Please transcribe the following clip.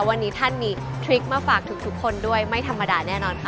วันนี้ท่านมีทริคมาฝากถึงทุกคนด้วยไม่ธรรมดาแน่นอนค่ะ